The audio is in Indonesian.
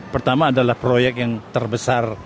pertama adalah proyek yang terbesar